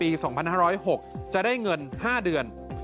๒๕๐๖จะได้เงิน๕เดือน